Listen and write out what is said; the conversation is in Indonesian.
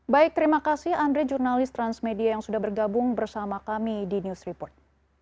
baik terima kasih andre jurnalis transmedia yang sudah bergabung bersama kami di news report